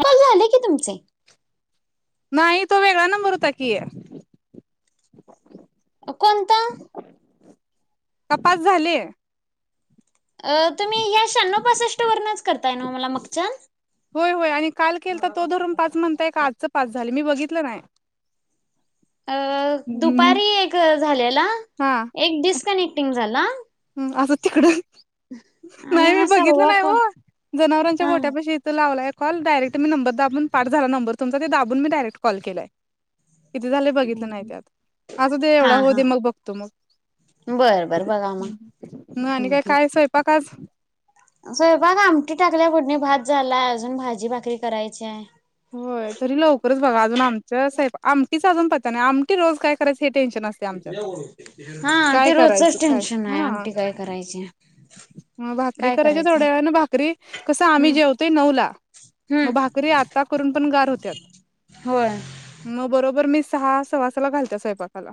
हे झाले की तुमचे. नाही, तो वेगळा नंबर होता की. कोणता? का पाच झाले? तुम्ही या शहाण्णव, पासष्ट वर करताय मला. मागच्या होय होय, आणि काल केलता तो धरून पाच म्हणताय का? आजचे पाच झाले? मी बघितलं नाही. अं हम्म दुपारी एक वेळ झाल्याला. हा. एक डिस्कनेक्टिंग झाला. ह असं तिकड, आणि नाही मी हा बघितलं सहावा नाही हो, कॉल जनावरांच्या हा गोठ्यापाशी लावला कॉल. डायरेक्ट मी नंबर दाबून पाठ झाला नंबर तुमचा. ते दाबून मी डायरेक्ट कॉल केलाय. किती झाले बघितलं नाही हम्म. त्यात. आता दे एवढा होऊ दे, मग बघतो मग. बरं बरं, बघा. मग नानी हम्म, कड हम्म. काय आहे स्वयंपाक आज? स्वयंपाक आमटी टाकल्या फोडणी, भात झालाय, अजून भाजी, भाकरी करायचीय. होय, तरी लवकरच बघा. अजून आमच स आमटीच अजून पत्या नाही, आमटी रोज काय करायचं? हे टेन्शन असतय. हा, ते रोजचच काय टेन्शन आहे. आमटी काय करायच? ह भाकरी करायच्या थोड्या वेळान. भाकरी कसं, आम्ही हम्म जेवतोय नऊला. मग हम्म भाकरी आ ता करून पण गार होत्यात, होय मग बरोबर मी सहा, सव्वा सहाला घालत्या स्वयंपाक काला.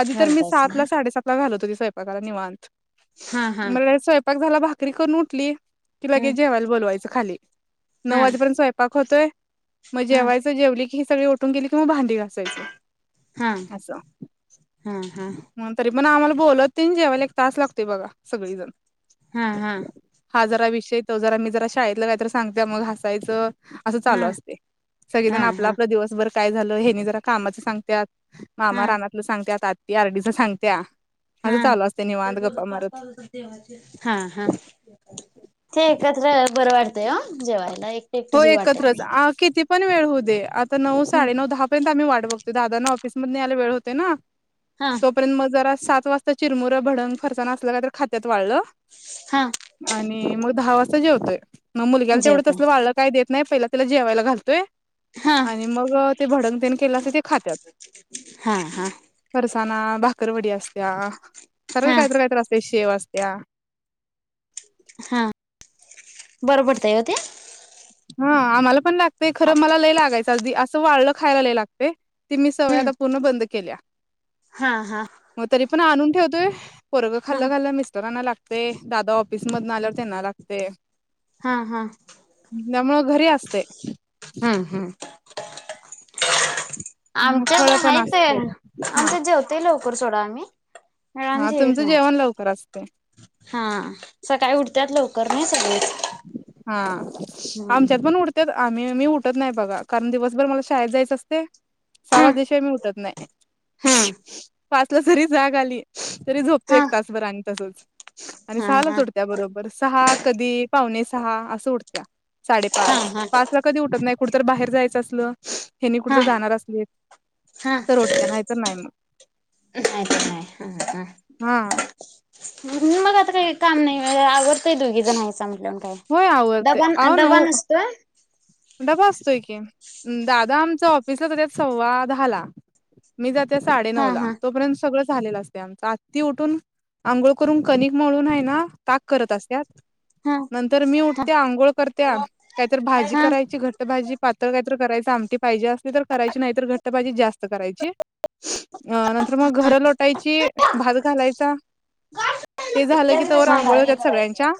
आधी तर मी घालतायच सातला, साडेसातला घालत होती स्वयंपाकाला निवांत. हा हा स्वयंपाक झाला, भाकरी करून उठली की, लगे हम्म जेवायला बोलवायचं खाली. हा नऊ वाजेपर्यंत स्वंयपाक होतोय मग हा जेवायचं. जेवली की, ही सगळी उठून गेली की, मग भांडी घासायच. हा असं. हा हा तरी पण आम्हाला बोलत ते न जेवायला एक तास लागतय बघा, सगळीजण. हा हा हा जरा विषय तो जरा मी जरा शाळेतला काहीतरी सांगते मग हासायचं. असं चालू असते सगळेजण हा आपलं हा आपलं दिवसभर काय झालं हेनी जरा कामाचं सांगत्यात. हा मामा रानातलं सांगत्या आती आरडीच सांगत्या. अस हा चालू असतय ते निवांत गप्पा बोलत मारत. वाटत हा हा ते एकत्र बरं वाटतंय ह जेवायला एकट हो एकट जीव वाटत एकत्रच नाही. आ किती पण वेळ हो दे आता नऊ हम्म साडे नऊ दहा पर्यंत आम्ही वाट बघतो दादाांना ऑफिस मधन याला वेळ होतय ना. हा र्यंत म जरा सात वाजता चिरमुरं भडंग फरसाना असलं काय तर खात्यात वाळल. हा आणि मग दहा वाजता जेवतोय मग मुलग्याला तेवढं जेवतय तसलं वाळल काही देत नाही पहिला त्याला जेवायला घालतोय. हा आणि मग ते भडंग तेन केलं असतय ते खात्यात. हा हा परसाणा भाकरवडी असत्या सरल हा काहीतर काहीतर असते शेव असत्या. हा बर पडतय का ते. हा आम्हाला पण लागतय खर मला लय लागायचं अगदी असं वाळलं खायला लय लागतेय की मी सवय आता हम्म पूर्ण बंद केल्या हा हा मग तरी पण आणून ठेवतोय. पोरग हा खाल्लं खाल्लं मिस्टरांना लागतय दादा ऑफिस मधन आल्यावर त्यांना लागतय. हा हा त्यामुळ घरी असतयं. हम्म हम्म आमच्यात फळ पण आहेते असत्यात हा आमच्या जेवतेय लवकर सोडा आम्ही वेळान हा जेवीत तुमचं नाही जेवण लवकर असतय. हा सकाळी उठत्यात लवकर नाही सगळेच. हा आमच्यात पण उड पण आम्ही मी उठत नाही बघा कारण दिवसभर मला शाळेत जायचं असतयं. सहा वाजल्याशिवाय मी उठत नाही. हम पाचला जरी जाग आली तरी झोपतो हा एक तासभर आणि तसच. आणि हा सहा लाच हा उठत्या बरोबर सहा कधी पावणे सहा असं उठत्या. साडेपाच हा हा पाच ला कधी उठत नाही कुठ तर बाहेर जायचं असलं. हेनी हा कुठतर जाणार असलीत हा तर उटत्या नाही तर नाही मग नाही हा घरी मग आता काही काम नाही आवरतय दोघी जण हायसा म्हटल्यामग काय होय आवरतय डबान अ अहो डबा नऊ नसतोयं. डबा असतोय की दादा आमच ऑफिसला जात्यात सव्वा दहाला. मी जात्या साडे हा नऊ ला हा तोपर्यंत सगळंच झालेल असतय आमचं आत्ती उठून अंघोळ करून कनिकमळून हाय ना ताक करत असत्यात. हा नंतर मी हा उठत्या आंघोळ करत्या काहीतर भाजी हा करायची. घट्ट भाजी पातळ काय तर करायच आमटी पाहिजे असली तर करायची नाही तर घट्ट भााजी जास्त करायची. अ नंतर मग घर लोटायची भात घालायचा. ते झालं की तवर कशाला आंघोळ हे होत्यात करायचं सगळ्यांच्या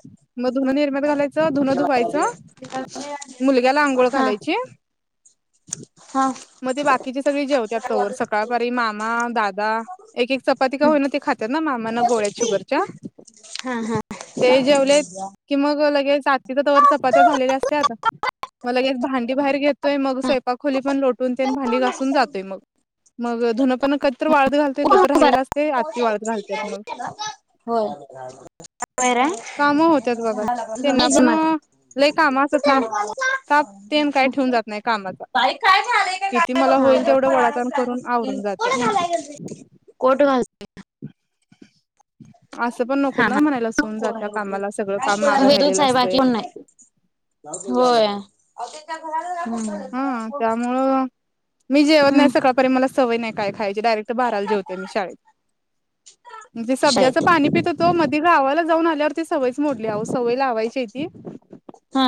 मग धुनं निर्म्यात घालायचं धुनं धुवायचं. ते काल ते आणलेल याला आंघोळ घालायची. हा मग ते बाकीचे सगळी जेवत्यात तवर सकाळपारी मामा दादा एक एक चपाती का होईना ते खात. ते ना मामाना उद्या गोळ्या सुट्टी. शुगरच्या हा हा ते जेवले कि मग लगेच आत्तीच्या तवर चपात्या झालेल्या असत्यात मग लगेच भांडी बाहेर घेतोय मग स्वयपाक खोली पण लोटून ते भांडी घासून जातोय मग मग धुनं पण कधीतर वाळत घालतोय कुठून कधीतर उभा राहिलेल असतयं आत्ती राहा. वाळत घालत्यात मग होय [unintelligible] बरं कामं मला मीच. लई काम असं टाक कामाचा. बाई काय झालंय का किती मला होईल काय तेवढं कराल्यास वडाताण बघ करून आवरून जात्या. की. कोट घालते [inaudible] असं पण नकोत हा ना हा म्हणायला सून कोण जात्या आहे बघू कामाला सगळं काम मागं वेदूच राहिलेलं आहे बाकी कोण असतयं नाही होय अहो त त्या घराला सगळ्यात हम कोण त्यामुळं मी जेवत नाही हम्म सकाळ परी मला सवय नाही काय खायची डयरेक्ट बाराला जेवते मी शाळेत मी शाळेत सब्ज्याचं पाणी पित होतो मधी गावाला जाऊन आल्यावरती सवयच मोडल्या अव सवय लावायच्याय ती हा.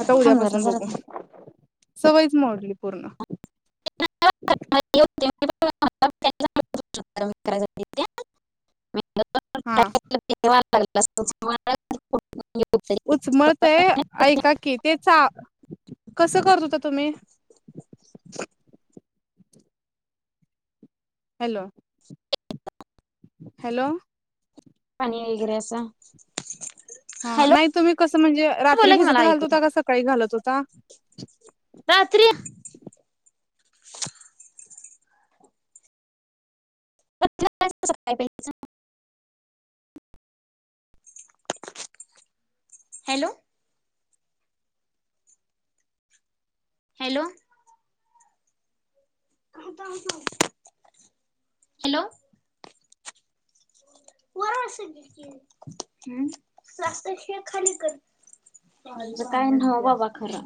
आता थांब जरा उद्यापासून जरा बघू थांब. सवयच मोडली पूर्ण [unintelligible] [inaudible] हा ते लाग अस [inaudible] उचमळत ऐका की ते चा कसं करत होता तुम्ही हॅलो. हॅलो. पाणी वगैरे असं हा हॅलो नाही तुम्ही कसं म्हणजे रात्री बोला की मला भिजत घालत ऐकू दे. होता का सकाळी घालत होता. रात्री. ज [unintelligible] हॅलो. हॅलो. हॅलो. बर स्स्तशिवा खाली कर. काय ना बाबा खरा.